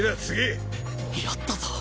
やったぞ！